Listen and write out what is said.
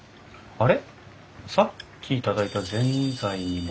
あれ？